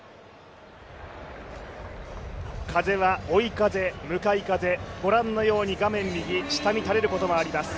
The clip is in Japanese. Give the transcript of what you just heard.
風は追い風、向かい風、御覧のように画面右下に垂れることがあります。